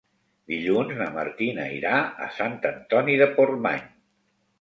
Dilluns na Martina irà a Sant Antoni de Portmany.